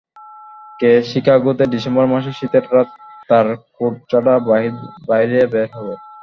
কে শিকাগোতে ডিসেম্বর মাসের শীতের রাতে তার কোট ছাড়া বাহিরে বের হবে?